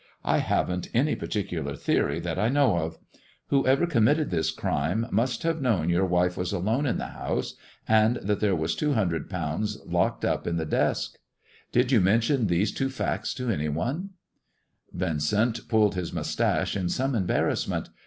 I haven't any particular theory that I know of. Whosoever committed this crime must have known your wife was alone in the house, and that there was two hundred pounds locked up in that desk. Did you mention these two facts to any onel" Yincent pulled his moustache in some embarrassment.